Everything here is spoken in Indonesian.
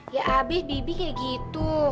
ya abis bibi kayak gitu